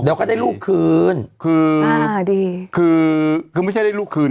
เดี๋ยวก็ได้ลูกคืนคืออ่าดีคือคือไม่ใช่ได้ลูกคืน